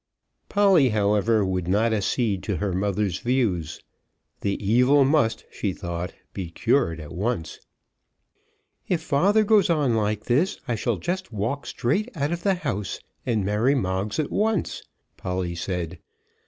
Polly, however, would not accede to her mother's views. The evil must, she thought, be cured at once. "If father goes on like this, I shall just walk straight out of the house, and marry Moggs at once," Polly said.